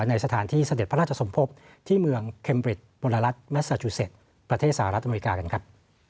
ในสถานที่เสด็จพระราชสมภพที่เมืองเคมบริดมลรัฐแมสซาจูเซ็ตประเทศสหรัฐอเมริกากันครับ